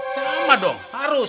sama dong harus